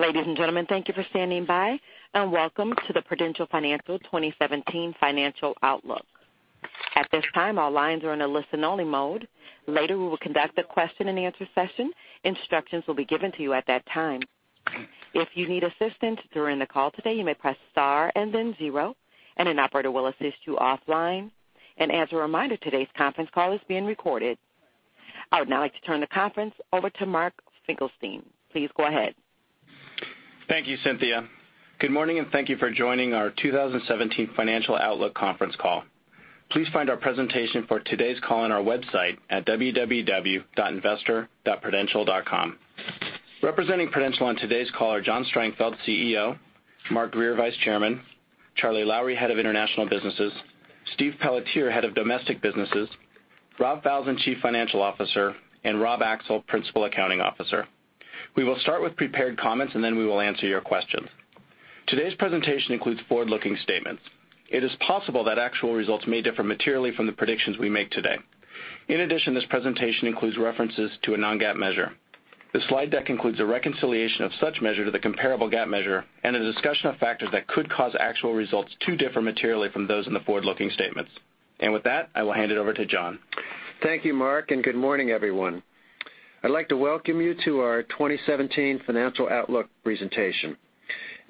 Ladies and gentlemen, thank you for standing by, and welcome to the Prudential Financial 2017 Financial Outlook. At this time, all lines are in a listen-only mode. Later, we will conduct a question-and-answer session. Instructions will be given to you at that time. If you need assistance during the call today, you may press star and then zero, and an operator will assist you offline. As a reminder, today's conference call is being recorded. I would now like to turn the conference over to Mark Finkelstein. Please go ahead. Thank you, Cynthia. Good morning, and thank you for joining our 2017 Financial Outlook conference call. Please find our presentation for today's call on our website at www.investor.prudential.com. Representing Prudential on today's call are John Strangfeld, CEO; Mark Grier, Vice Chairman; Charles Lowrey, Head of International Businesses; Stephen Pelletier, Head of Domestic Businesses; Robert Falzon, Chief Financial Officer; and Rob Axel, Principal Accounting Officer. We will start with prepared comments, and then we will answer your questions. Today's presentation includes forward-looking statements. It is possible that actual results may differ materially from the predictions we make today. In addition, this presentation includes references to a non-GAAP measure. The slide deck includes a reconciliation of such measure to the comparable GAAP measure and a discussion of factors that could cause actual results to differ materially from those in the forward-looking statements. With that, I will hand it over to John. Thank you, Mark, and good morning, everyone. I'd like to welcome you to our 2017 Financial Outlook presentation.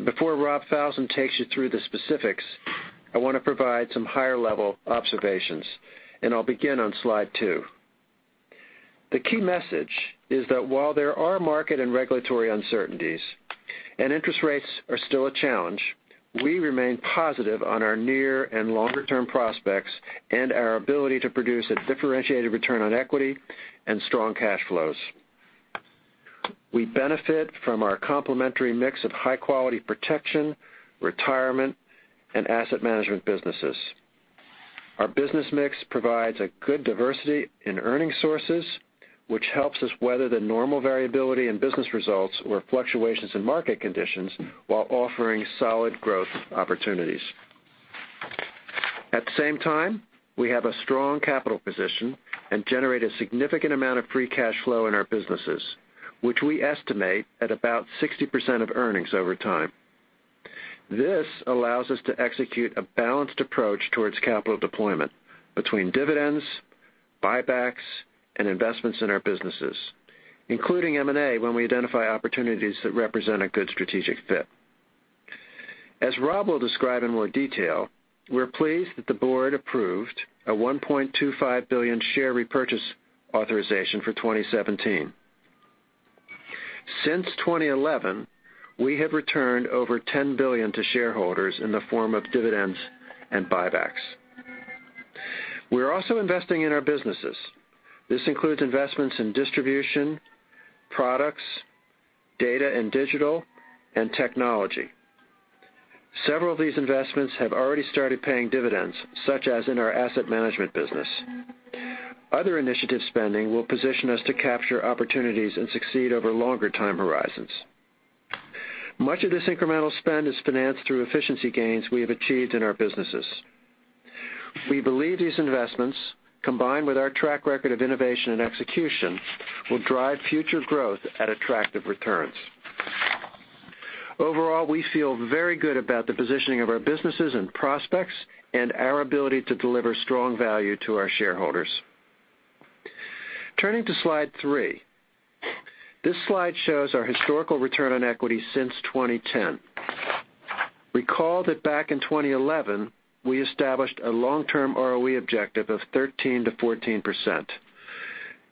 Before Robert Falzon takes you through the specifics, I want to provide some higher-level observations, and I'll begin on slide two. The key message is that while there are market and regulatory uncertainties and interest rates are still a challenge, we remain positive on our near and longer-term prospects and our ability to produce a differentiated return on equity and strong cash flows. We benefit from our complementary mix of high-quality protection, retirement, and asset management businesses. Our business mix provides a good diversity in earning sources, which helps us weather the normal variability in business results or fluctuations in market conditions while offering solid growth opportunities. At the same time, we have a strong capital position and generate a significant amount of free cash flow in our businesses, which we estimate at about 60% of earnings over time. This allows us to execute a balanced approach towards capital deployment between dividends, buybacks, and investments in our businesses, including M&A when we identify opportunities that represent a good strategic fit. As Rob will describe in more detail, we're pleased that the board approved a $1.25 billion share repurchase authorization for 2017. Since 2011, we have returned over $10 billion to shareholders in the form of dividends and buybacks. We're also investing in our businesses. This includes investments in distribution, products, data and digital, and technology. Several of these investments have already started paying dividends, such as in our asset management business. Other initiative spending will position us to capture opportunities and succeed over longer time horizons. Much of this incremental spend is financed through efficiency gains we have achieved in our businesses. We believe these investments, combined with our track record of innovation and execution, will drive future growth at attractive returns. Overall, we feel very good about the positioning of our businesses and prospects and our ability to deliver strong value to our shareholders. Turning to slide three. This slide shows our historical return on equity since 2010. Recall that back in 2011, we established a long-term ROE objective of 13%-14%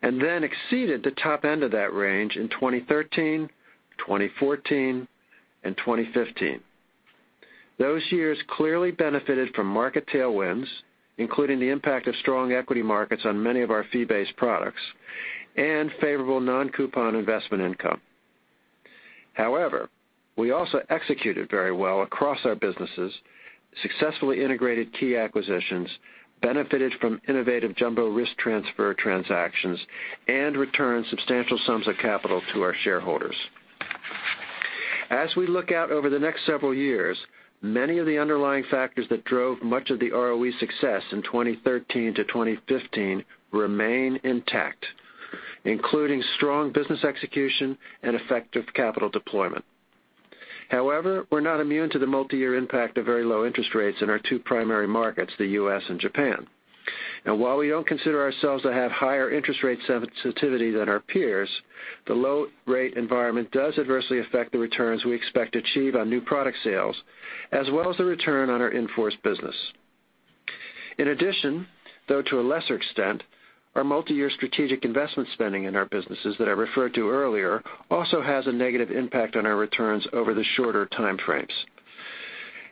and then exceeded the top end of that range in 2013, 2014, and 2015. Those years clearly benefited from market tailwinds, including the impact of strong equity markets on many of our fee-based products and favorable non-coupon investment income. We also executed very well across our businesses, successfully integrated key acquisitions, benefited from innovative jumbo risk transfer transactions, and returned substantial sums of capital to our shareholders. As we look out over the next several years, many of the underlying factors that drove much of the ROE success in 2013-2015 remain intact, including strong business execution and effective capital deployment. We're not immune to the multi-year impact of very low interest rates in our two primary markets, the U.S. and Japan. While we don't consider ourselves to have higher interest rate sensitivity than our peers, the low rate environment does adversely affect the returns we expect to achieve on new product sales, as well as the return on our in-force business. In addition, though to a lesser extent, our multi-year strategic investment spending in our businesses that I referred to earlier also has a negative impact on our returns over the shorter time frames.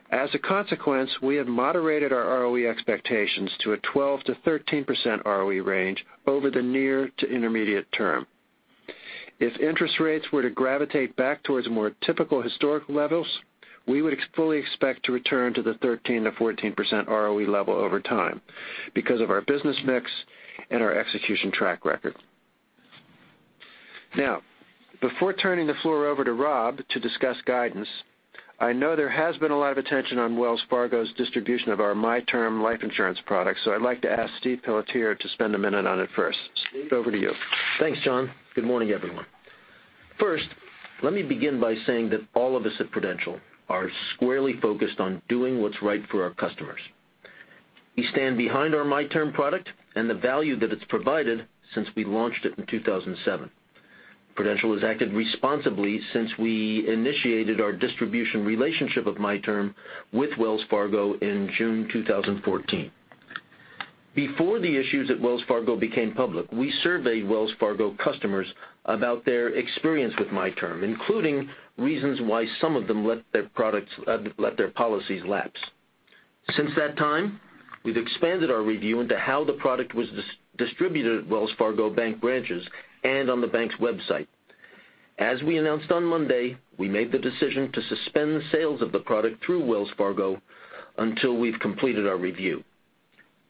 As a consequence, we have moderated our ROE expectations to a 12%-13% ROE range over the near to intermediate term. If interest rates were to gravitate back towards more typical historic levels, we would fully expect to return to the 13%-14% ROE level over time because of our business mix and our execution track record. Before turning the floor over to Rob to discuss guidance I know there has been a lot of attention on Wells Fargo's distribution of our MyTerm life insurance product, so I'd like to ask Stephen Pelletier to spend a minute on it first. Steve, over to you. Thanks, John. Good morning, everyone. First, let me begin by saying that all of us at Prudential are squarely focused on doing what's right for our customers. We stand behind our MyTerm product and the value that it's provided since we launched it in 2007. Prudential has acted responsibly since we initiated our distribution relationship of MyTerm with Wells Fargo in June 2014. Before the issues at Wells Fargo became public, we surveyed Wells Fargo customers about their experience with MyTerm, including reasons why some of them let their policies lapse. Since that time, we've expanded our review into how the product was distributed at Wells Fargo bank branches and on the bank's website. As we announced on Monday, we made the decision to suspend sales of the product through Wells Fargo until we've completed our review.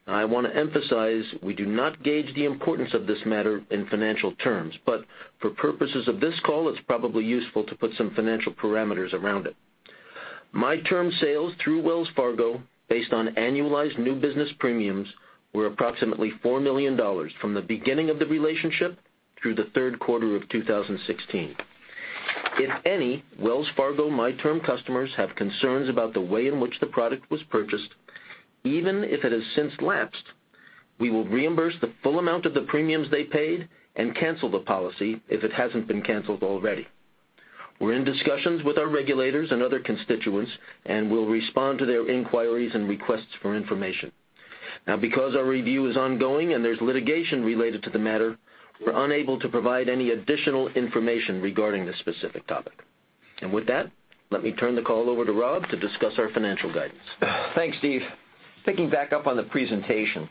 I want to emphasize, we do not gauge the importance of this matter in financial terms, but for purposes of this call, it's probably useful to put some financial parameters around it. MyTerm sales through Wells Fargo, based on annualized new business premiums, were approximately $4 million from the beginning of the relationship through the third quarter of 2016. If any Wells Fargo MyTerm customers have concerns about the way in which the product was purchased, even if it has since lapsed, we will reimburse the full amount of the premiums they paid and cancel the policy if it hasn't been canceled already. We're in discussions with our regulators and other constituents, and we'll respond to their inquiries and requests for information. Because our review is ongoing and there's litigation related to the matter, we're unable to provide any additional information regarding this specific topic. With that, let me turn the call over to Rob to discuss our financial guidance. Thanks, Steve. Picking back up on the presentation,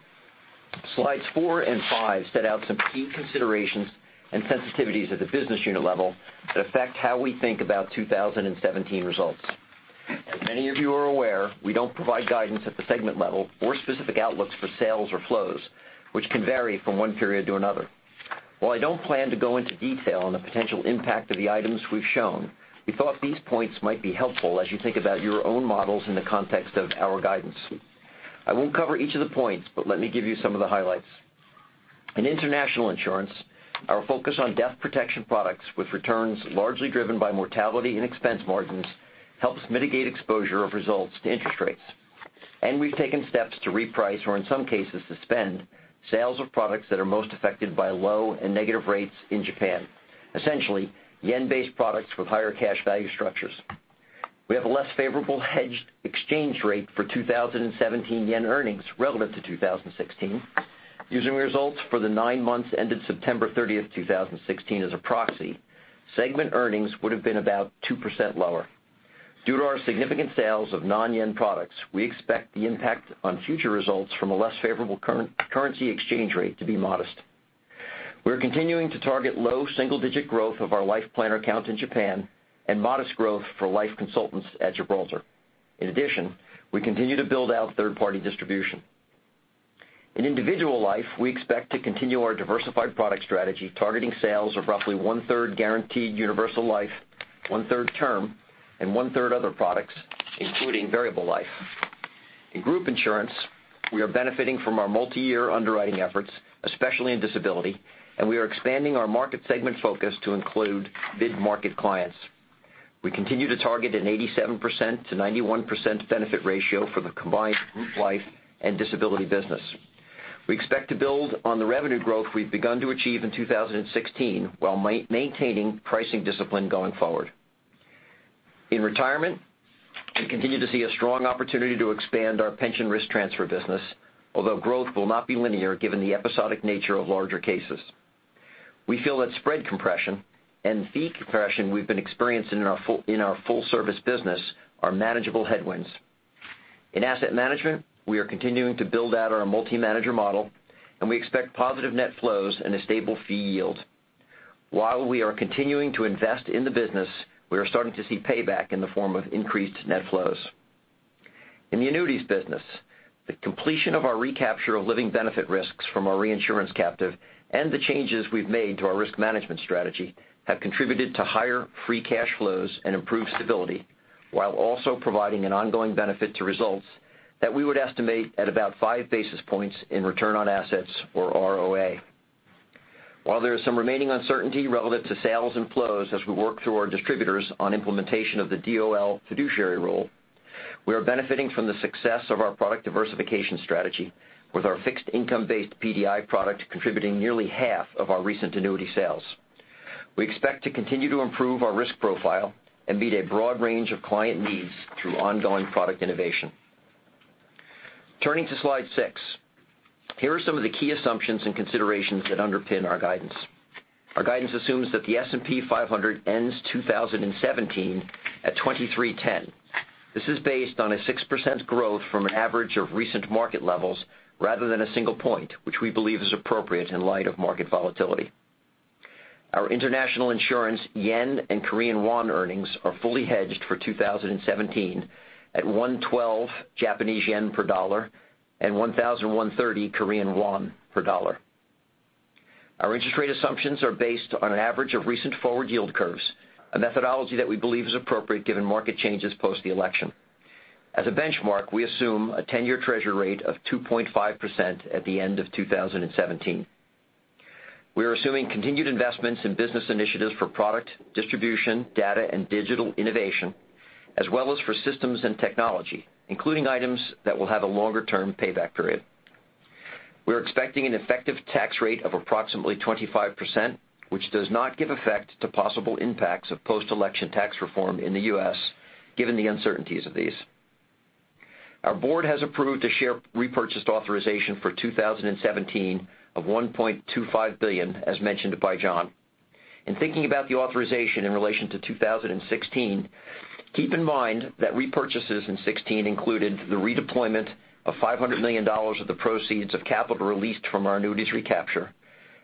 Slides four and five set out some key considerations and sensitivities at the business unit level that affect how we think about 2017 results. As many of you are aware, we don't provide guidance at the segment level or specific outlooks for sales or flows, which can vary from one period to another. While I don't plan to go into detail on the potential impact of the items we've shown, we thought these points might be helpful as you think about your own models in the context of our guidance. I won't cover each of the points, but let me give you some of the highlights. In international insurance, our focus on death protection products with returns largely driven by mortality and expense margins helps mitigate exposure of results to interest rates. We've taken steps to reprice or in some cases suspend sales of products that are most affected by low and negative rates in Japan, essentially yen-based products with higher cash value structures. We have a less favorable hedged exchange rate for 2017 yen earnings relevant to 2016. Using results for the nine months ended September 30th, 2016 as a proxy, segment earnings would have been about 2% lower. Due to our significant sales of non-yen products, we expect the impact on future results from a less favorable currency exchange rate to be modest. We are continuing to target low single-digit growth of our Life Planner counts in Japan and modest growth for Life Consultants at Gibraltar. In addition, we continue to build out third-party distribution. In individual life, we expect to continue our diversified product strategy, targeting sales of roughly one-third Guaranteed Universal Life, one-third term, and one-third other products, including Variable Life. In group insurance, we are benefiting from our multi-year underwriting efforts, especially in disability, and we are expanding our market segment focus to include mid-market clients. We continue to target an 87%-91% benefit ratio for the combined group life and disability business. We expect to build on the revenue growth we've begun to achieve in 2016 while maintaining pricing discipline going forward. In retirement, we continue to see a strong opportunity to expand our pension risk transfer business, although growth will not be linear given the episodic nature of larger cases. We feel that spread compression and fee compression we've been experiencing in our full-service business are manageable headwinds. In asset management, we are continuing to build out our multi-manager model, and we expect positive net flows and a stable fee yield. While we are continuing to invest in the business, we are starting to see payback in the form of increased net flows. In the annuities business, the completion of our recapture of living benefit risks from our reinsurance captive and the changes we've made to our risk management strategy have contributed to higher free cash flows and improved stability while also providing an ongoing benefit to results that we would estimate at about five basis points in return on assets, or ROA. While there is some remaining uncertainty relevant to sales and flows as we work through our distributors on implementation of the DOL fiduciary rule, we are benefiting from the success of our product diversification strategy with our fixed income-based PDI product contributing nearly half of our recent annuity sales. We expect to continue to improve our risk profile and meet a broad range of client needs through ongoing product innovation. Turning to Slide six. Here are some of the key assumptions and considerations that underpin our guidance. Our guidance assumes that the S&P 500 ends 2017 at 2310. This is based on a 6% growth from an average of recent market levels rather than a single point, which we believe is appropriate in light of market volatility. Our international insurance JPY and KRW earnings are fully hedged for 2017 at 112 Japanese yen per dollar and 1,130 Korean won per dollar. Our interest rate assumptions are based on an average of recent forward yield curves, a methodology that we believe is appropriate given market changes post the election. As a benchmark, we assume a 10-year treasury rate of 2.5% at the end of 2017. We are assuming continued investments in business initiatives for product distribution, data and digital innovation, as well as for systems and technology, including items that will have a longer-term payback period. We're expecting an effective tax rate of approximately 25%, which does not give effect to possible impacts of post-election tax reform in the U.S., given the uncertainties of these. Our board has approved a share repurchase authorization for 2017 of $1.25 billion, as mentioned by John. In thinking about the authorization in relation to 2016, keep in mind that repurchases in 2016 included the redeployment of $500 million of the proceeds of capital released from our annuities recapture,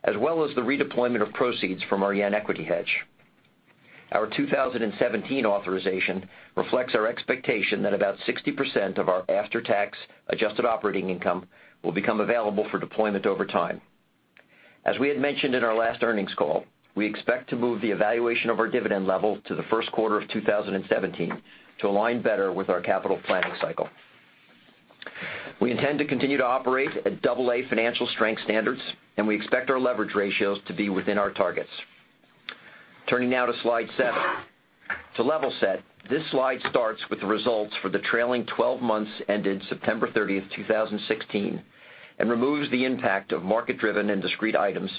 as well as the redeployment of proceeds from our JPY equity hedge. Our 2017 authorization reflects our expectation that about 60% of our after-tax adjusted operating income will become available for deployment over time. As we had mentioned in our last earnings call, we expect to move the evaluation of our dividend level to the first quarter of 2017 to align better with our capital planning cycle. We intend to continue to operate at double A financial strength standards, and we expect our leverage ratios to be within our targets. Turning now to slide seven. To level set, this slide starts with the results for the trailing 12 months ended September 30th, 2016, and removes the impact of market-driven and discrete items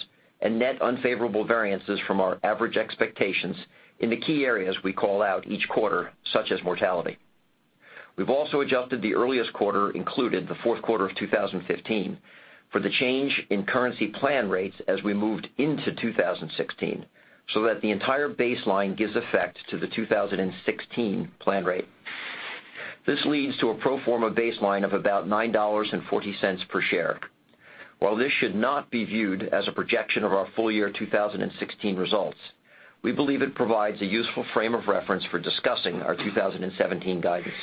and net unfavorable variances from our average expectations in the key areas we call out each quarter, such as mortality. We've also adjusted the earliest quarter included, the fourth quarter of 2015, for the change in currency plan rates as we moved into 2016, so that the entire baseline gives effect to the 2016 plan rate. This leads to a pro forma baseline of about $9.40 per share. While this should not be viewed as a projection of our full year 2016 results, we believe it provides a useful frame of reference for discussing our 2017 guidance.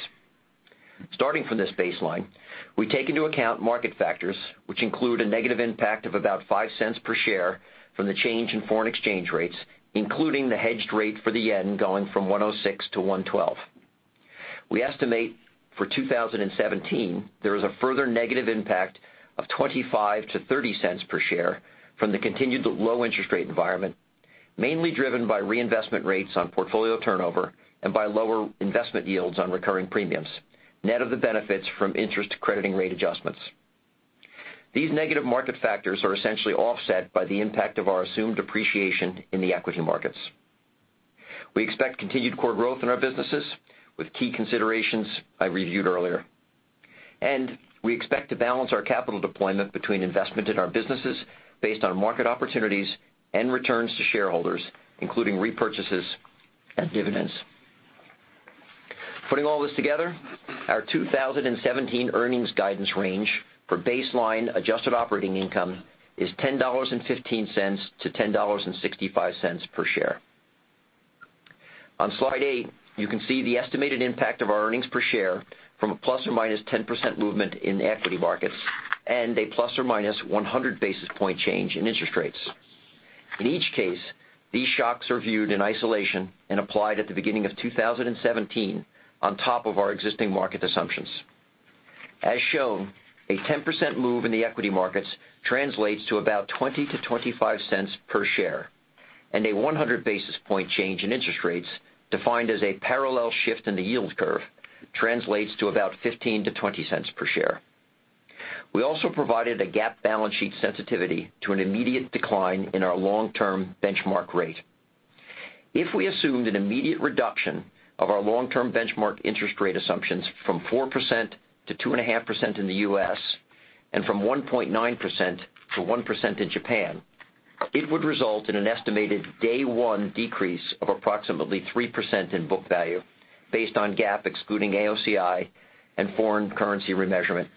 Starting from this baseline, we take into account market factors, which include a negative impact of about $0.05 per share from the change in foreign exchange rates, including the hedged rate for the JPY going from 106 to 112. We estimate for 2017 there is a further negative impact of $0.25 to $0.30 per share from the continued low interest rate environment, mainly driven by reinvestment rates on portfolio turnover and by lower investment yields on recurring premiums, net of the benefits from interest crediting rate adjustments. These negative market factors are essentially offset by the impact of our assumed appreciation in the equity markets. We expect continued core growth in our businesses with key considerations I reviewed earlier. We expect to balance our capital deployment between investment in our businesses based on market opportunities and returns to shareholders, including repurchases and dividends. Putting all this together, our 2017 earnings guidance range for baseline adjusted operating income is $10.15 to $10.65 per share. On slide eight, you can see the estimated impact of our earnings per share from a ±10% movement in the equity markets and a ±100 basis point change in interest rates. In each case, these shocks are viewed in isolation and applied at the beginning of 2017 on top of our existing market assumptions. As shown, a 10% move in the equity markets translates to about $0.20 to $0.25 per share, and a 100 basis point change in interest rates, defined as a parallel shift in the yield curve, translates to about $0.15 to $0.20 per share. We also provided a GAAP balance sheet sensitivity to an immediate decline in our long-term benchmark rate. If we assumed an immediate reduction of our long-term benchmark interest rate assumptions from 4% to 2.5% in the U.S. and from 1.9% to 1% in Japan, it would result in an estimated day one decrease of approximately 3% in book value based on GAAP, excluding AOCI and foreign currency remeasurement.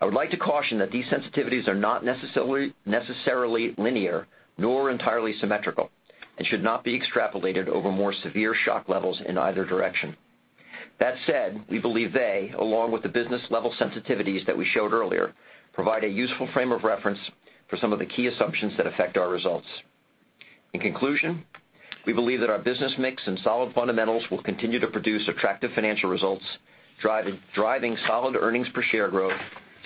I would like to caution that these sensitivities are not necessarily linear nor entirely symmetrical and should not be extrapolated over more severe shock levels in either direction. That said, we believe they, along with the business-level sensitivities that we showed earlier, provide a useful frame of reference for some of the key assumptions that affect our results. In conclusion, we believe that our business mix and solid fundamentals will continue to produce attractive financial results, driving solid earnings per share growth,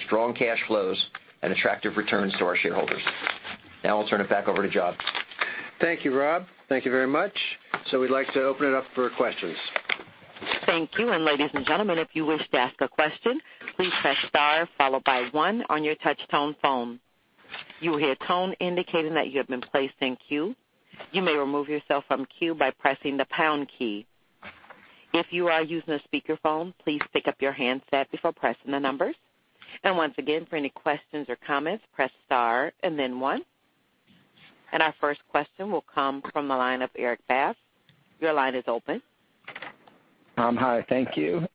strong cash flows, and attractive returns to our shareholders. Now I'll turn it back over to John. Thank you, Rob. Thank you very much. We'd like to open it up for questions. Thank you. Ladies and gentlemen, if you wish to ask a question, please press star followed by one on your touchtone phone. You will hear a tone indicating that you have been placed in queue. You may remove yourself from queue by pressing the pound key. If you are using a speakerphone, please pick up your handset before pressing the numbers. Once again, for any questions or comments, press star and then one. Our first question will come from the line of Erik Bass. Your line is open. Hi, thank you.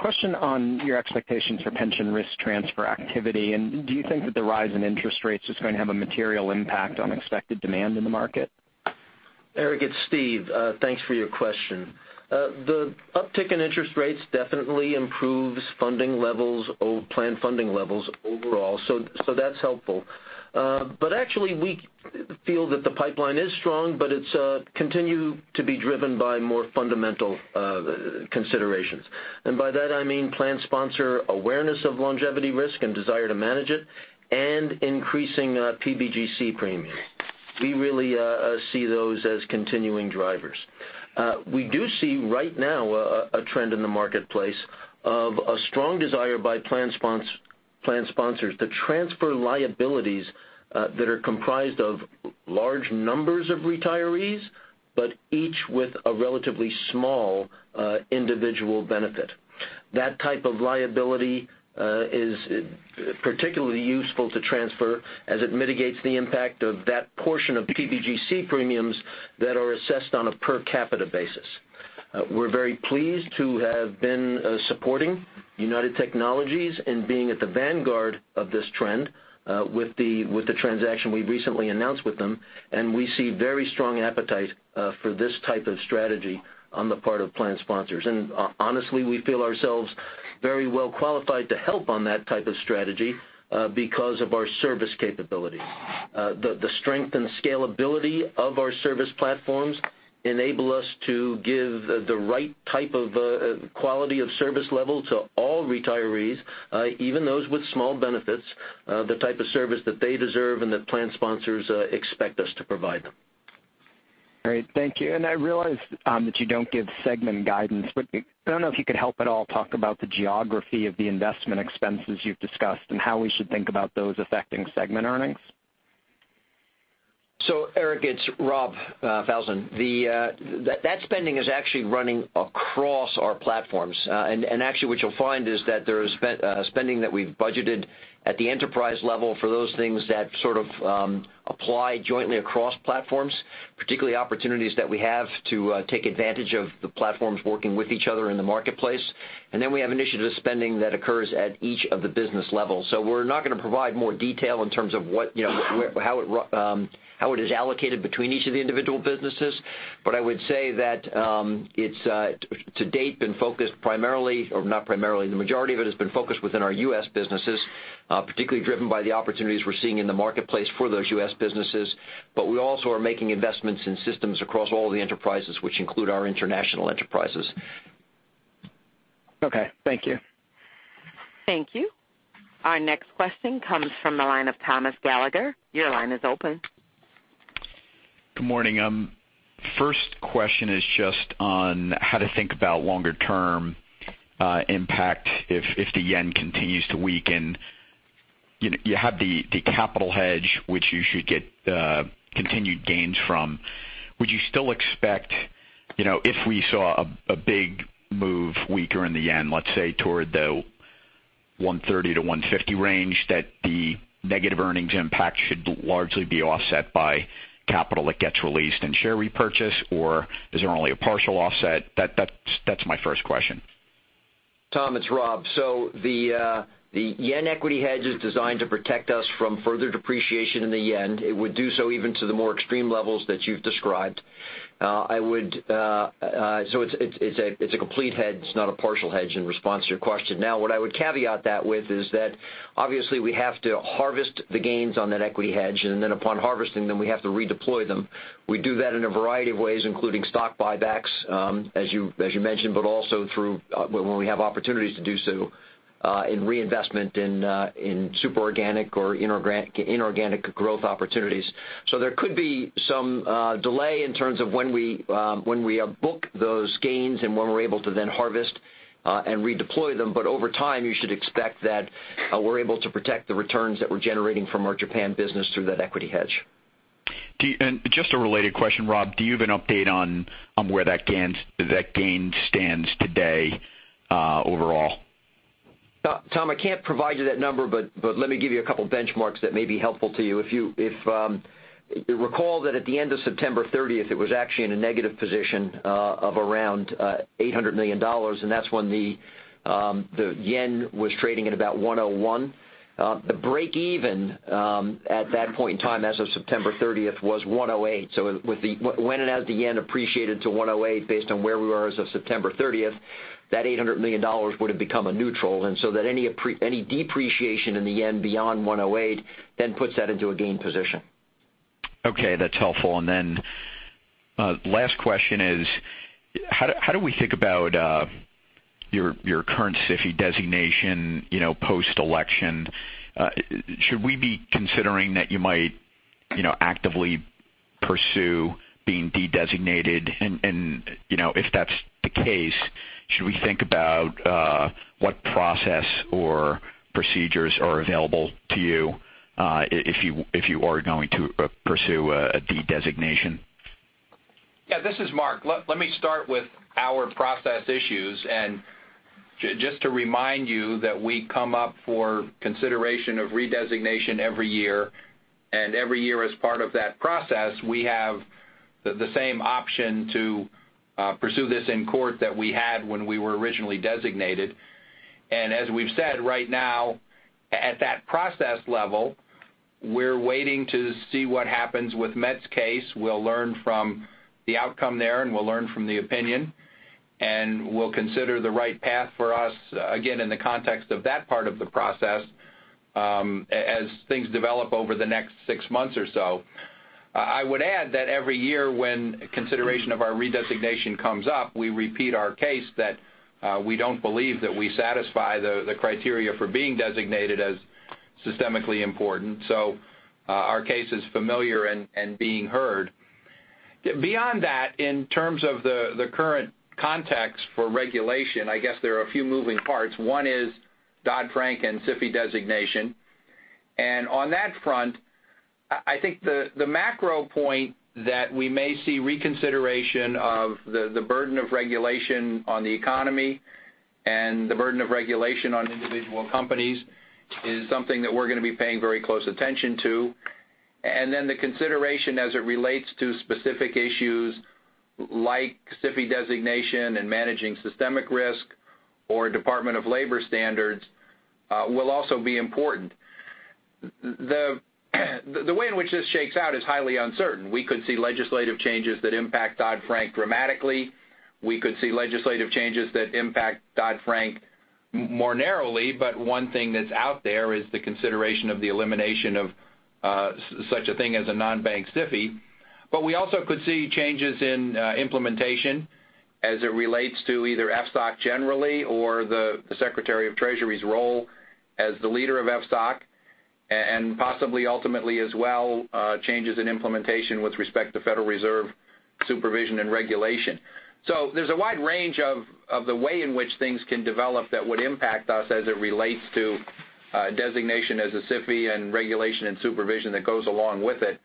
Question on your expectations for pension risk transfer activity, do you think that the rise in interest rates is going to have a material impact on expected demand in the market? Erik, it's Stephen. Thanks for your question. The uptick in interest rates definitely improves funding levels, planned funding levels overall. That's helpful. Actually, we feel that the pipeline is strong, but it's continue to be driven by more fundamental considerations. By that, I mean plan sponsor awareness of longevity risk and desire to manage it and increasing PBGC premiums. We really see those as continuing drivers. We do see right now a trend in the marketplace of a strong desire by plan sponsors to transfer liabilities that are comprised of large numbers of retirees, but each with a relatively small individual benefit. That type of liability is particularly useful to transfer as it mitigates the impact of that portion of PBGC premiums that are assessed on a per capita basis. We're very pleased to have been supporting United Technologies and being at the vanguard of this trend, with the transaction we've recently announced with them, we see very strong appetite for this type of strategy on the part of plan sponsors. Honestly, we feel ourselves very well qualified to help on that type of strategy because of our service capabilities. The strength and scalability of our service platforms enable us to give the right type of quality of service level to all retirees, even those with small benefits, the type of service that they deserve and that plan sponsors expect us to provide them. Great. Thank you. I realize that you don't give segment guidance, I don't know if you could help at all talk about the geography of the investment expenses you've discussed and how we should think about those affecting segment earnings. Erik, it's Robert Falzon. That spending is actually running across our platforms. Actually what you'll find is that there is spending that we've budgeted at the enterprise level for those things that sort of apply jointly across platforms, particularly opportunities that we have to take advantage of the platforms working with each other in the marketplace. Then we have initiative spending that occurs at each of the business levels. We're not going to provide more detail in terms of how it is allocated between each of the individual businesses. I would say that it's to date been focused primarily, or not primarily, the majority of it has been focused within our U.S. businesses, particularly driven by the opportunities we're seeing in the marketplace for those U.S. businesses. We also are making investments in systems across all the enterprises which include our international enterprises. Okay. Thank you. Thank you. Our next question comes from the line of Tom Gallagher. Your line is open. Good morning. First question is just on how to think about longer term impact if the yen continues to weaken. You have the capital hedge, which you should get continued gains from. Would you still expect, if we saw a big move weaker in the yen, let's say toward the 130 to 150 range, that the negative earnings impact should largely be offset by capital that gets released and share repurchase, or is there only a partial offset? That's my first question. Tom, it's Rob. The yen equity hedge is designed to protect us from further depreciation in the yen. It would do so even to the more extreme levels that you've described. It's a complete hedge, not a partial hedge in response to your question. What I would caveat that with is that obviously we have to harvest the gains on that equity hedge, and then upon harvesting them, we have to redeploy them. We do that in a variety of ways, including stock buybacks, as you mentioned, but also when we have opportunities to do so, in reinvestment in super organic or inorganic growth opportunities. There could be some delay in terms of when we book those gains and when we're able to then harvest and redeploy them. Over time, you should expect that we're able to protect the returns that we're generating from our Japan business through that equity hedge. Just a related question, Rob, do you have an update on where that gain stands today overall? Tom, I can't provide you that number, but let me give you a couple benchmarks that may be helpful to you. If you recall that at the end of September 30th, it was actually in a negative position of around $800 million, and that's when the yen was trading at about 101. The break even at that point in time as of September 30th was 108. When and as the yen appreciated to 108 based on where we were as of September 30th, that $800 million would have become a neutral, and so that any depreciation in the yen beyond 108 then puts that into a gain position. That's helpful. Last question is how do we think about your current SIFI designation post-election? Should we be considering that you might actively pursue being de-designated? If that's the case, should we think about what process or procedures are available to you if you are going to pursue a de-designation? Yeah, this is Mark. Let me start with our process issues. Just to remind you that we come up for consideration of re-designation every year, every year as part of that process, we have the same option to pursue this in court that we had when we were originally designated. As we've said, right now, at that process level, we're waiting to see what happens with MetLife's case. We'll learn from the outcome there, and we'll learn from the opinion, and we'll consider the right path for us, again, in the context of that part of the process, as things develop over the next six months or so. I would add that every year when consideration of our redesignation comes up, we repeat our case that we don't believe that we satisfy the criteria for being designated as systemically important. Our case is familiar and being heard. Beyond that, in terms of the current context for regulation, I guess there are a few moving parts. One is Dodd-Frank and SIFI designation. On that front, I think the macro point that we may see reconsideration of the burden of regulation on the economy and the burden of regulation on individual companies is something that we're going to be paying very close attention to. The consideration as it relates to specific issues like SIFI designation and managing systemic risk or Department of Labor standards, will also be important. The way in which this shakes out is highly uncertain. We could see legislative changes that impact Dodd-Frank dramatically. We could see legislative changes that impact Dodd-Frank more narrowly, but one thing that's out there is the consideration of the elimination of such a thing as a non-bank SIFI. We also could see changes in implementation as it relates to either FSOC generally or the Secretary of Treasury's role as the leader of FSOC, and possibly ultimately as well, changes in implementation with respect to Federal Reserve supervision and regulation. There's a wide range of the way in which things can develop that would impact us as it relates to designation as a SIFI and regulation and supervision that goes along with it.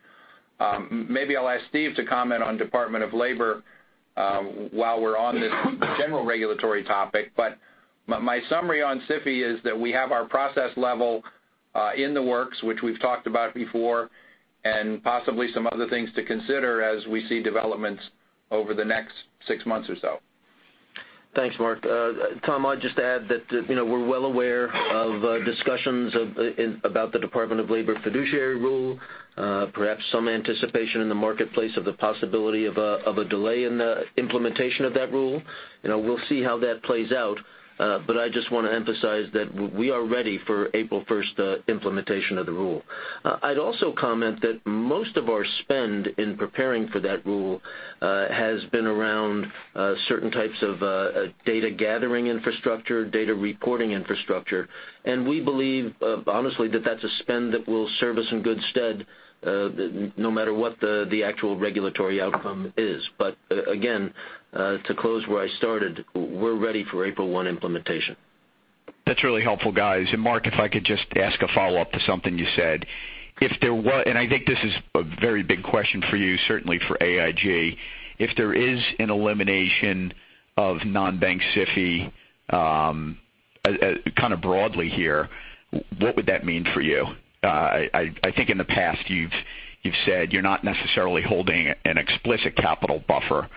Maybe I'll ask Steve to comment on Department of Labor while we're on this general regulatory topic, but my summary on SIFI is that we have our process level in the works, which we've talked about before, and possibly some other things to consider as we see developments over the next six months or so. Thanks, Mark. Tom, I'd just add that we're well aware of discussions about the Department of Labor fiduciary rule. Perhaps some anticipation in the marketplace of the possibility of a delay in the implementation of that rule. We'll see how that plays out. I just want to emphasize that we are ready for April 1 implementation of the rule. I'd also comment that most of our spend in preparing for that rule has been around certain types of data gathering infrastructure, data reporting infrastructure, and we believe, honestly, that that's a spend that will serve us in good stead no matter what the actual regulatory outcome is. Again, to close where I started, we're ready for April 1 implementation. That's really helpful, guys. Mark, if I could just ask a follow-up to something you said. I think this is a very big question for you, certainly for AIG. If there is an elimination of non-bank SIFI, kind of broadly here, what would that mean for you? I think in the past you've said you're not necessarily holding an explicit capital buffer,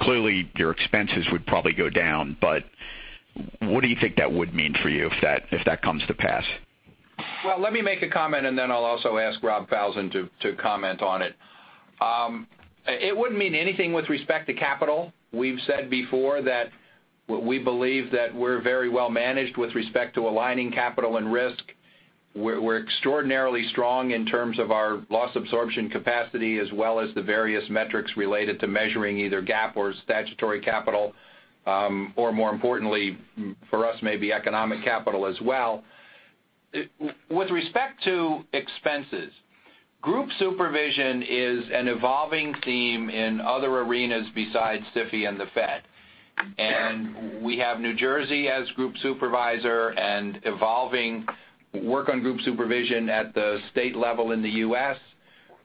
clearly your expenses would probably go down. What do you think that would mean for you if that comes to pass? Let me make a comment, and then I'll also ask Robert Falzon to comment on it. It wouldn't mean anything with respect to capital. We've said before that we believe that we're very well managed with respect to aligning capital and risk. We're extraordinarily strong in terms of our loss absorption capacity, as well as the various metrics related to measuring either GAAP or statutory capital, or more importantly for us, maybe economic capital as well. With respect to expenses, group supervision is an evolving theme in other arenas besides SIFI and the Fed. We have New Jersey as group supervisor and evolving work on group supervision at the state level in the U.S.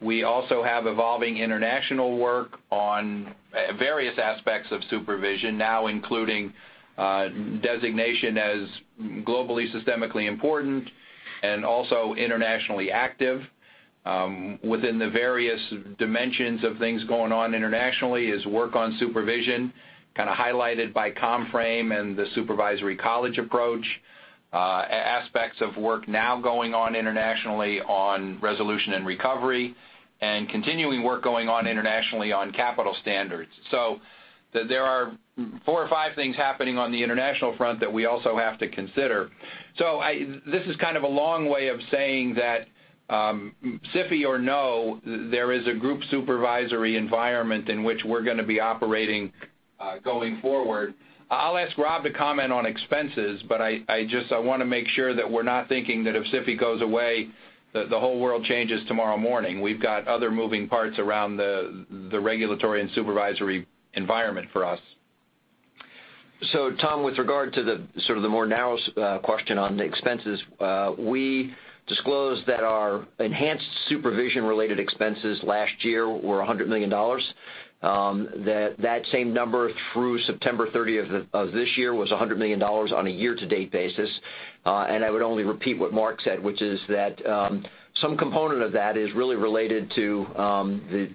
We also have evolving international work on various aspects of supervision, now including designation as globally systemically important and also internationally active. Within the various dimensions of things going on internationally is work on supervision, kind of highlighted by ComFrame and the Supervisory College approach. Aspects of work now going on internationally on resolution and recovery, and continuing work going on internationally on capital standards. There are four or five things happening on the international front that we also have to consider. This is kind of a long way of saying that SIFI or no, there is a group supervisory environment in which we're going to be operating going forward. I'll ask Rob to comment on expenses, but I want to make sure that we're not thinking that if SIFI goes away, the whole world changes tomorrow morning. We've got other moving parts around the regulatory and supervisory environment for us. Tom, with regard to the more narrow question on the expenses, we disclosed that our enhanced supervision-related expenses last year were $100 million. That same number through September 30th of this year was $100 million on a year-to-date basis. I would only repeat what Mark said, which is that some component of that is really related to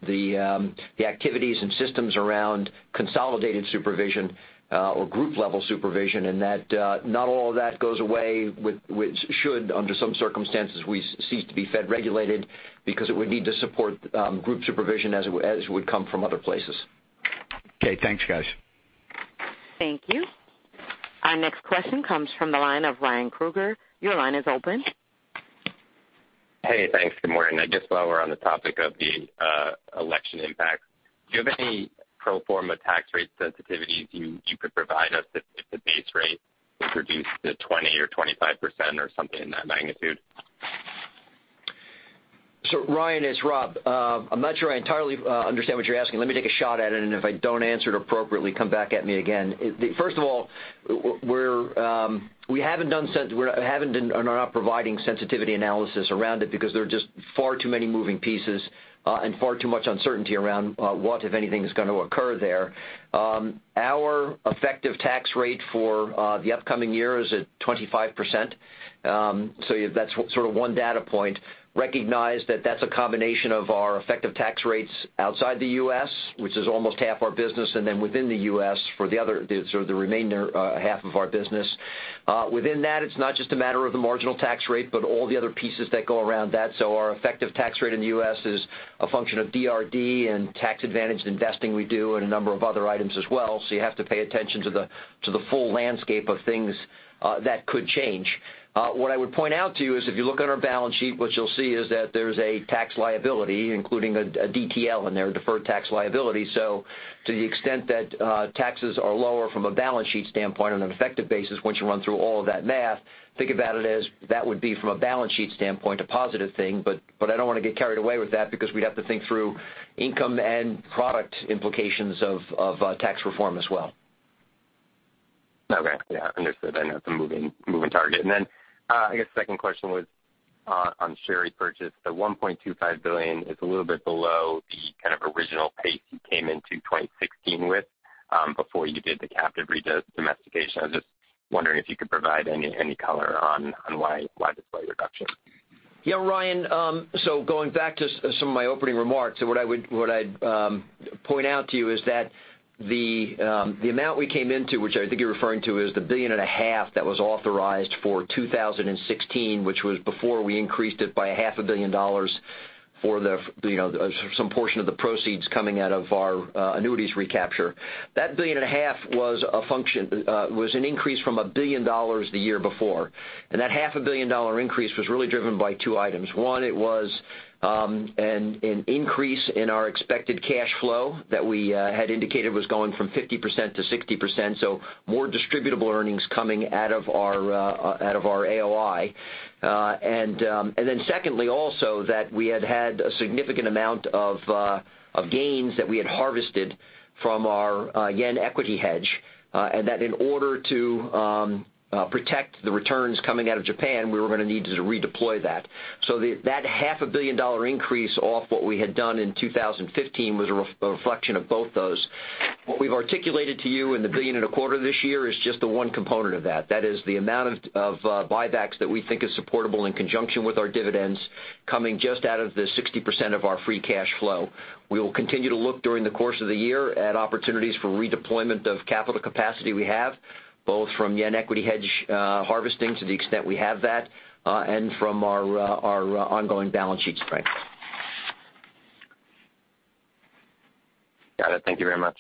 the activities and systems around consolidated supervision or group level supervision, and that not all of that goes away, which should, under some circumstances, cease to be Fed-regulated because it would need to support group supervision as it would come from other places. Okay, thanks guys. Thank you. Our next question comes from the line of Ryan Krueger. Your line is open. Hey, thanks. Good morning. I guess while we're on the topic of the election impact, do you have any pro forma tax rate sensitivities you could provide us if the base rate is reduced to 20% or 25% or something in that magnitude? Ryan, it's Rob. I'm not sure I entirely understand what you're asking. Let me take a shot at it, and if I don't answer it appropriately, come back at me again. First of all, we're not providing sensitivity analysis around it because there are just far too many moving pieces, and far too much uncertainty around what, if anything, is going to occur there. Our effective tax rate for the upcoming year is at 25%. That's one data point. Recognize that that's a combination of our effective tax rates outside the U.S., which is almost half our business, and then within the U.S. for the remainder half of our business. Within that, it's not just a matter of the marginal tax rate, but all the other pieces that go around that. Our effective tax rate in the U.S. is a function of DRD and tax advantage investing we do, and a number of other items as well. You have to pay attention to the full landscape of things that could change. What I would point out to you is if you look at our balance sheet, what you'll see is that there's a tax liability, including a DTL in there, deferred tax liability. To the extent that taxes are lower from a balance sheet standpoint on an effective basis, once you run through all of that math, think about it as that would be from a balance sheet standpoint, a positive thing. I don't want to get carried away with that because we'd have to think through income and product implications of tax reform as well. Okay. Yeah, understood. I know it's a moving target. I guess second question was on share repurchase. The $1.25 billion is a little bit below the kind of original pace you came into 2016 with, before you did the captive redomestication. I was just wondering if you could provide any color on why this reduction. Yeah, Ryan. Going back to some of my opening remarks, what I'd point out to you is that the amount we came into, which I think you're referring to is the billion and a half that was authorized for 2016, which was before we increased it by a half a billion dollars for some portion of the proceeds coming out of our annuities recapture. That billion and a half was an increase from $1 billion the year before. That half a billion dollar increase was really driven by two items. One, it was an increase in our expected cash flow that we had indicated was going from 50% to 60%, so more distributable earnings coming out of our AOI. Secondly also, that we had a significant amount of gains that we had harvested from our yen equity hedge, and that in order to protect the returns coming out of Japan, we were going to need to redeploy that. That half a billion dollar increase off what we had done in 2015 was a reflection of both those. What we've articulated to you in the billion and a quarter this year is just the one component of that. That is the amount of buybacks that we think is supportable in conjunction with our dividends coming just out of the 60% of our free cash flow. We will continue to look during the course of the year at opportunities for redeployment of capital capacity we have, both from yen equity hedge harvesting to the extent we have that, and from our ongoing balance sheet strength. Got it. Thank you very much.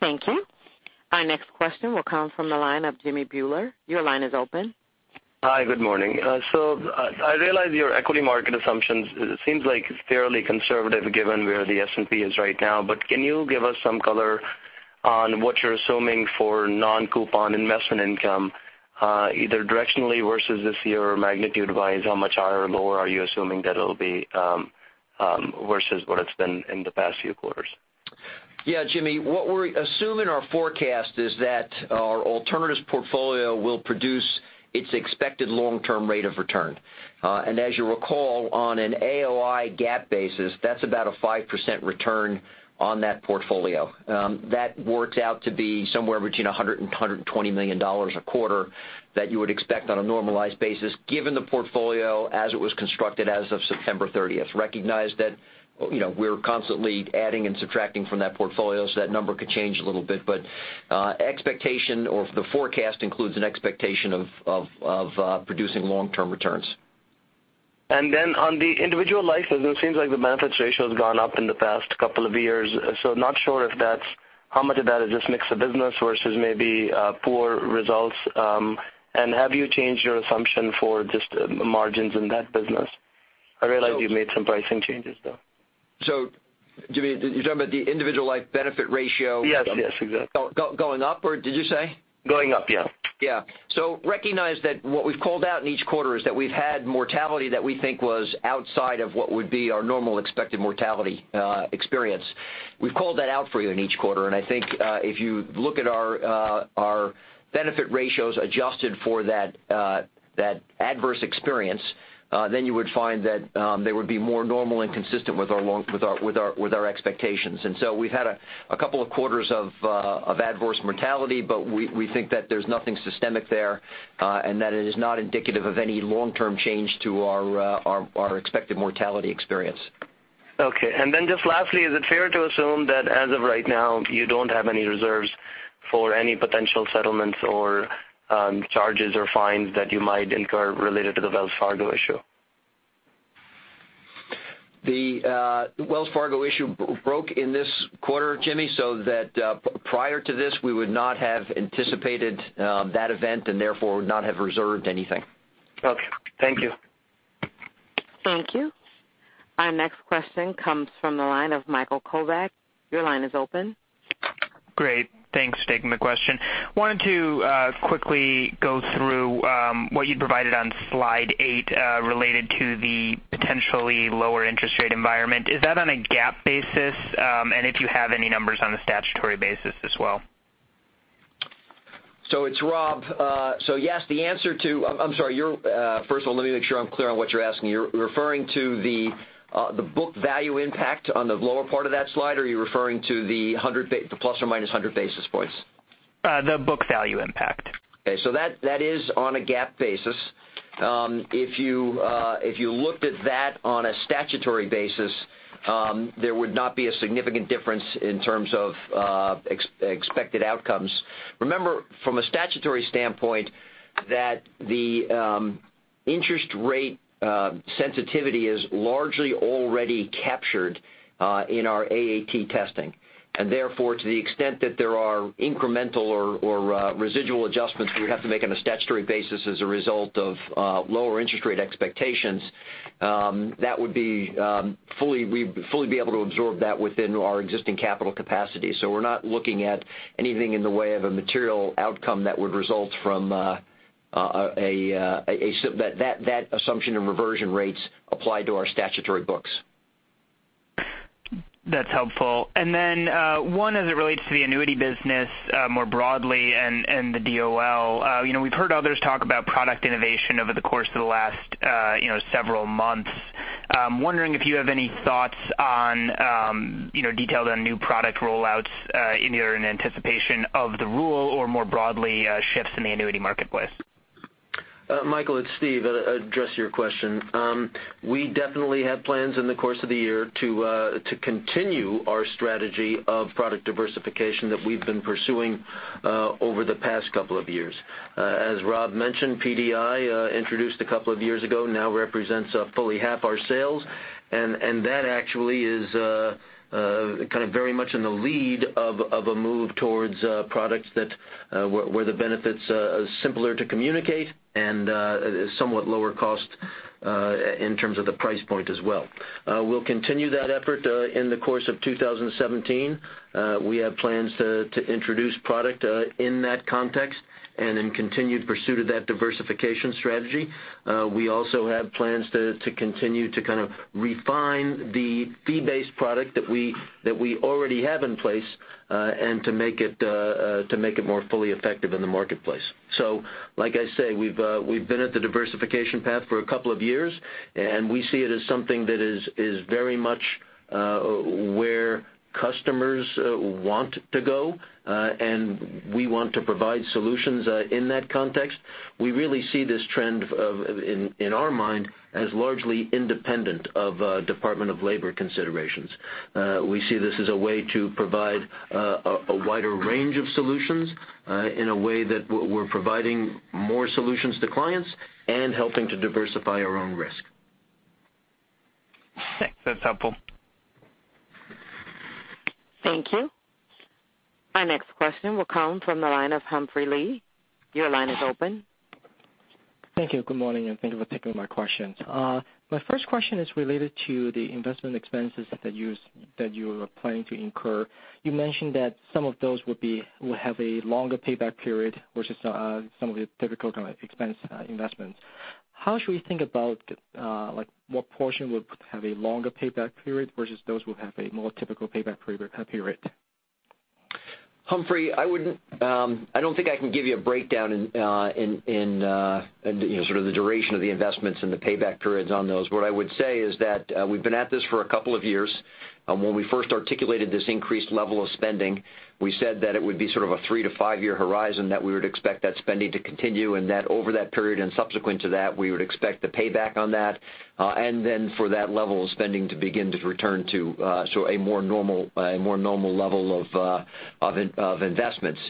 Thank you. Our next question will come from the line of Jimmy Bhullar. Your line is open. Hi. Good morning. I realize your equity market assumptions, it seems like it's fairly conservative given where the S&P is right now, but can you give us some color on what you're assuming for non-coupon investment income, either directionally versus this year or magnitude-wise, how much higher or lower are you assuming that it'll be, versus what it's been in the past few quarters? Jimmy, what we assume in our forecast is that our alternatives portfolio will produce its expected long-term rate of return. As you'll recall, on an AOI GAAP basis, that's about a 5% return on that portfolio. That works out to be somewhere between $100 million and $120 million a quarter that you would expect on a normalized basis, given the portfolio as it was constructed as of September 30th. Recognize that we're constantly adding and subtracting from that portfolio, that number could change a little bit, but the forecast includes an expectation of producing long-term returns. On the individual life, it seems like the benefits ratio has gone up in the past couple of years. Not sure how much of that is just mix of business versus maybe poor results. Have you changed your assumption for just margins in that business? I realize you've made some pricing changes, though. Jimmy, you're talking about the individual life benefit ratio? Yes. Exactly. Going up, did you say? Going up, yeah. Yeah. Recognize that what we've called out in each quarter is that we've had mortality that we think was outside of what would be our normal expected mortality experience. We've called that out for you in each quarter, and I think, if you look at our benefit ratios adjusted for that adverse experience, then you would find that they would be more normal and consistent with our expectations. We've had a couple of quarters of adverse mortality, but we think that there's nothing systemic there, and that it is not indicative of any long-term change to our expected mortality experience. Okay. Just lastly, is it fair to assume that as of right now, you don't have any reserves for any potential settlements or charges or fines that you might incur related to the Wells Fargo issue? The Wells Fargo issue broke in this quarter, Jimmy, prior to this, we would not have anticipated that event and therefore would not have reserved anything. Okay. Thank you. Thank you. Our next question comes from the line of Michael Kovac. Your line is open. Great. Thanks. Taking the question. Wanted to quickly go through what you'd provided on slide eight related to the potentially lower interest rate environment. Is that on a GAAP basis? And if you have any numbers on the statutory basis as well. It's Rob. Yes, the answer to I'm sorry. First of all, let me make sure I'm clear on what you're asking. You're referring to the book value impact on the lower part of that slide, or you're referring to the plus or minus 100 basis points? The book value impact. Okay, that is on a GAAP basis. If you looked at that on a statutory basis, there would not be a significant difference in terms of expected outcomes. Remember, from a statutory standpoint, that the interest rate sensitivity is largely already captured in our AAT testing, and therefore, to the extent that there are incremental or residual adjustments we would have to make on a statutory basis as a result of lower interest rate expectations, we'd fully be able to absorb that within our existing capital capacity. We're not looking at anything in the way of a material outcome that would result from that assumption of reversion rates applied to our statutory books. That's helpful. One as it relates to the annuity business more broadly and the DOL. We've heard others talk about product innovation over the course of the last several months. I'm wondering if you have any thoughts on detailed on new product rollouts either in anticipation of the rule or more broadly, shifts in the annuity marketplace? Michael, it's Steve. I'll address your question. We definitely have plans in the course of the year to continue our strategy of product diversification that we've been pursuing over the past couple of years. As Rob mentioned, PDI, introduced a couple of years ago, now represents fully half our sales, and that actually is kind of very much in the lead of a move towards products where the benefits are simpler to communicate and somewhat lower cost in terms of the price point as well. We'll continue that effort in the course of 2017. We have plans to introduce product in that context and in continued pursuit of that diversification strategy. We also have plans to continue to kind of refine the fee-based product that we already have in place, and to make it more fully effective in the marketplace. Like I say, we've been at the diversification path for a couple of years, and we see it as something that is very much where customers want to go, and we want to provide solutions in that context. We really see this trend, in our mind, as largely independent of Department of Labor considerations. We see this as a way to provide a wider range of solutions in a way that we're providing more solutions to clients and helping to diversify our own risk. Thanks. That's helpful. Thank you. Our next question will come from the line of Humphrey Lee. Your line is open. Thank you. Good morning, and thank you for taking my questions. My first question is related to the investment expenses that you are planning to incur. You mentioned that some of those will have a longer payback period versus some of your typical kind of expense investments. How should we think about what portion would have a longer payback period versus those who have a more typical payback period? Humphrey, I don't think I can give you a breakdown in sort of the duration of the investments and the payback periods on those. What I would say is that we've been at this for a couple of years. When we first articulated this increased level of spending, we said that it would be sort of a three to five-year horizon that we would expect that spending to continue, and that over that period and subsequent to that, we would expect the payback on that, and then for that level of spending to begin to return to a more normal level of investments.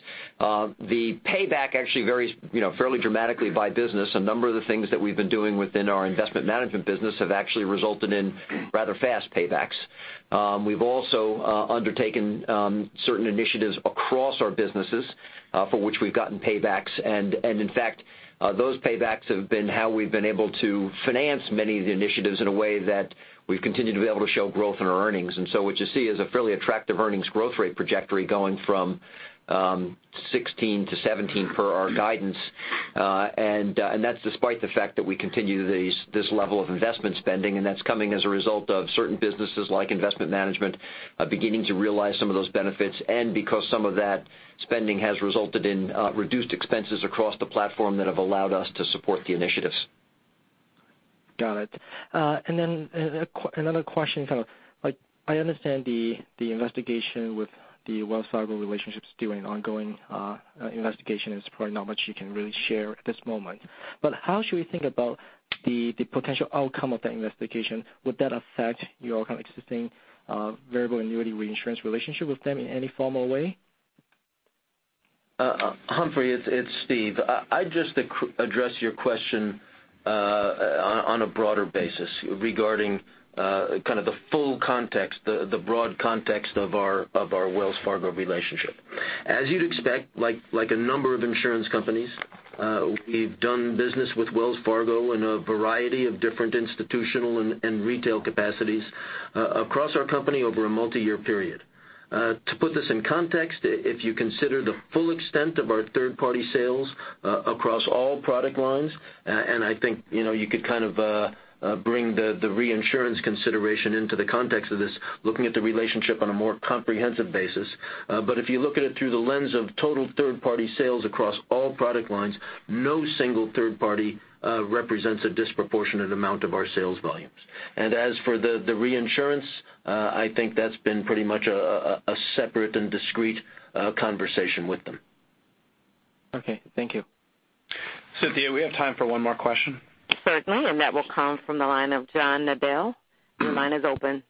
The payback actually varies fairly dramatically by business. A number of the things that we've been doing within our investment management business have actually resulted in rather fast paybacks. We've also undertaken certain initiatives across our businesses for which we've gotten paybacks, and in fact, those paybacks have been how we've been able to finance many of the initiatives in a way that we've continued to be able to show growth in our earnings. So what you see is a fairly attractive earnings growth rate trajectory going from 2016 to 2017 per our guidance. That's despite the fact that we continue this level of investment spending, and that's coming as a result of certain businesses like investment management beginning to realize some of those benefits, and because some of that spending has resulted in reduced expenses across the platform that have allowed us to support the initiatives. Got it. Another question. I understand the investigation with the Wells Fargo relationship still an ongoing investigation, and there's probably not much you can really share at this moment. How should we think about the potential outcome of that investigation? Would that affect your kind of existing variable annuity reinsurance relationship with them in any formal way? Humphrey, it's Steve. I'd just address your question on a broader basis regarding kind of the full context, the broad context of our Wells Fargo relationship. As you'd expect, like a number of insurance companies, we've done business with Wells Fargo in a variety of different institutional and retail capacities across our company over a multi-year period. To put this in context, if you consider the full extent of our third-party sales across all product lines, I think you could kind of bring the reinsurance consideration into the context of this, looking at the relationship on a more comprehensive basis. If you look at it through the lens of total third-party sales across all product lines, no single third party represents a disproportionate amount of our sales volumes. As for the reinsurance, I think that's been pretty much a separate and discrete conversation with them. Okay. Thank you. Cynthia, we have time for one more question. Certainly, that will come from the line of John Nadel. Your line is open.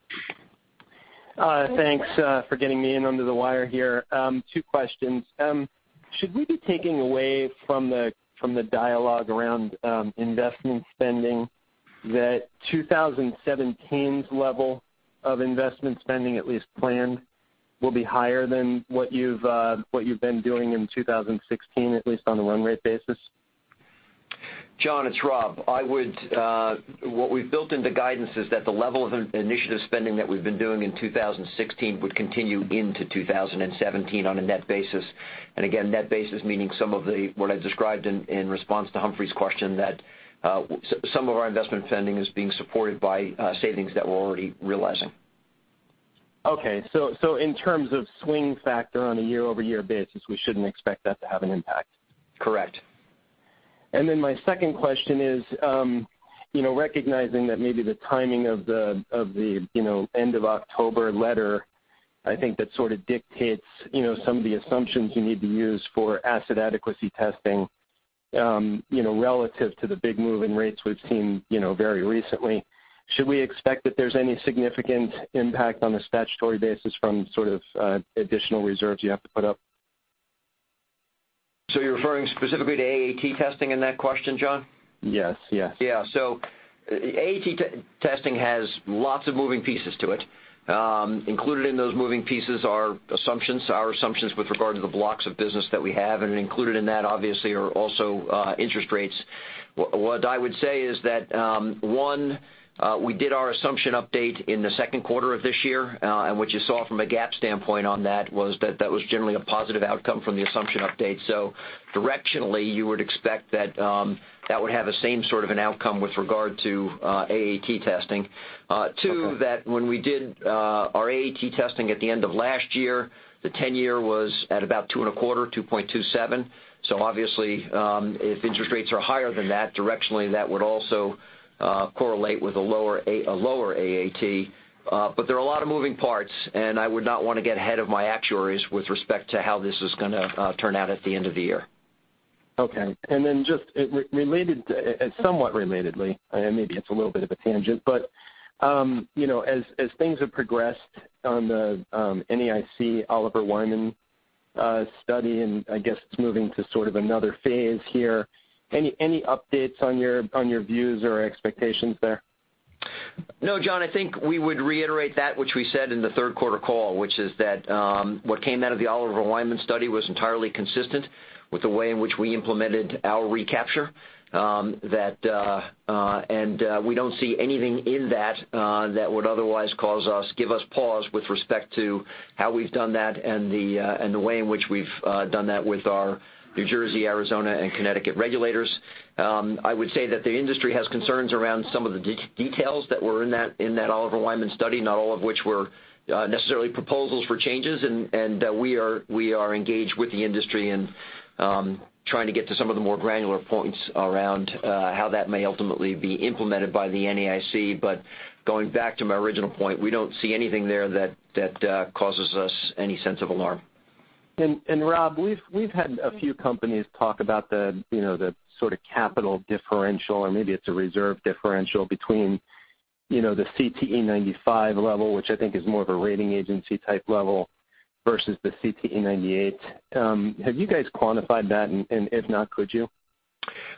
Thanks for getting me in under the wire here. Two questions. Should we be taking away from the dialogue around investment spending that 2017's level of investment spending, at least planned, will be higher than what you've been doing in 2016, at least on a run rate basis? John, it's Rob. What we've built into guidance is that the level of initiative spending that we've been doing in 2016 would continue into 2017 on a net basis. Again, net basis meaning some of what I described in response to Humphrey's question, that some of our investment spending is being supported by savings that we're already realizing. Okay. In terms of swing factor on a year-over-year basis, we shouldn't expect that to have an impact. Correct. My second question is, recognizing that maybe the timing of the end of October letter, I think that sort of dictates some of the assumptions you need to use for asset adequacy testing, relative to the big move in rates we've seen very recently. Should we expect that there's any significant impact on a statutory basis from sort of additional reserves you have to put up? You're referring specifically to AAT testing in that question, John? Yes. AAT testing has lots of moving pieces to it. Included in those moving pieces are assumptions, our assumptions with regard to the blocks of business that we have, and included in that, obviously, are also interest rates. What I would say is that, one, we did our assumption update in the second quarter of this year. What you saw from a GAAP standpoint on that was that was generally a positive outcome from the assumption update. Directionally, you would expect that that would have the same sort of an outcome with regard to AAT testing. Two, that when we did our AAT testing at the end of last year, the 10-year was at about 2.25, 2.27. Obviously, if interest rates are higher than that, directionally, that would also correlate with a lower AAT. There are a lot of moving parts, and I would not want to get ahead of my actuaries with respect to how this is gonna turn out at the end of the year. Okay. Just somewhat relatedly, and maybe it's a little bit of a tangent, but as things have progressed on the NAIC Oliver Wyman study, and I guess it's moving to sort of another phase here, any updates on your views or expectations there? No, John, I think we would reiterate that which we said in the third quarter call, which is that what came out of the Oliver Wyman study was entirely consistent with the way in which we implemented our recapture. We don't see anything in that would otherwise give us pause with respect to how we've done that and the way in which we've done that with our New Jersey, Arizona, and Connecticut regulators. I would say that the industry has concerns around some of the details that were in that Oliver Wyman study, not all of which were necessarily proposals for changes, and we are engaged with the industry in trying to get to some of the more granular points around how that may ultimately be implemented by the NAIC. Going back to my original point, we don't see anything there that causes us any sense of alarm. Rob, we've had a few companies talk about the sort of capital differential, or maybe it's a reserve differential between the CTE 95 level, which I think is more of a rating agency type level versus the CTE 98. Have you guys quantified that? If not, could you?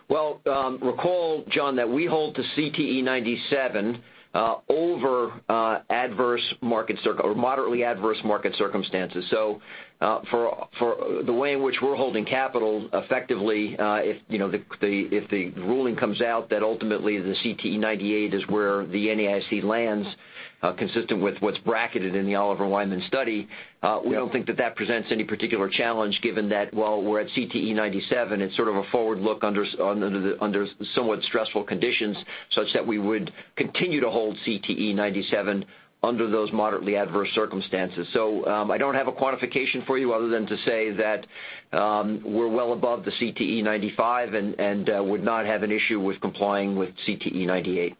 Recall, John, that we hold to CTE 97 over adverse market or moderately adverse market circumstances. For the way in which we're holding capital effectively, if the ruling comes out that ultimately the CTE 98 is where the NAIC lands, consistent with what's bracketed in the Oliver Wyman study, we don't think that that presents any particular challenge given that while we're at CTE 97, it's sort of a forward look under somewhat stressful conditions such that we would continue to hold CTE 97 under those moderately adverse circumstances. I don't have a quantification for you other than to say that we're well above the CTE 95 and would not have an issue with complying with CTE 98.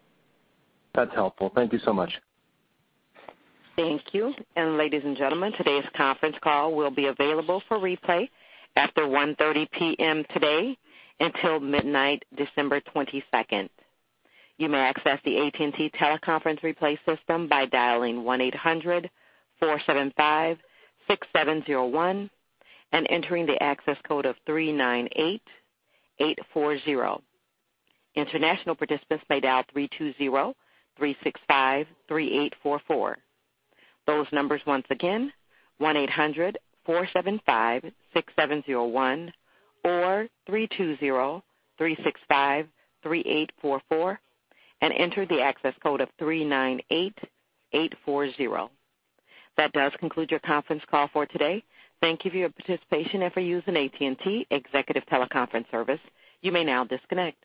That's helpful. Thank you so much. Thank you. Ladies and gentlemen, today's conference call will be available for replay after 1:30 P.M. today until midnight December 22nd. You may access the AT&T teleconference replay system by dialing 1-800-475-6701 and entering the access code of 398840. International participants may dial 3203653844. Those numbers once again, 1-800-475-6701 or 3203653844, and enter the access code of 398840. That does conclude your conference call for today. Thank you for your participation and for using AT&T Executive Teleconference Service. You may now disconnect.